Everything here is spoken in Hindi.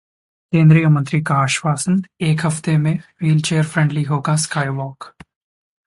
केंद्रीय मंत्री का आश्वासन, एक हफ्ते में व्हीलचेयर फ्रेंडली होगा स्काई वॉक